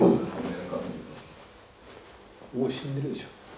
もう死んでるでしょう。